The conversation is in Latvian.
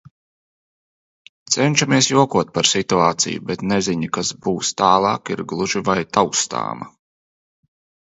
Cenšamies jokot par situāciju, bet neziņa, kas būs tālāk, ir gluži vai taustāma.